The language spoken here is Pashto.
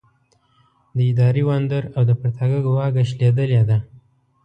د اداري وندر او د پرتاګه واګه شلېدلې ده.